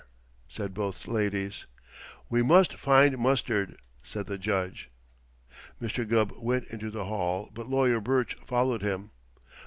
said both ladies. "We must find Mustard!" said the Judge. Mr. Gubb went into the hall, but Lawyer Burch followed him.